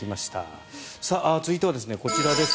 続いてはこちらです。